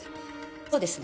そうですね？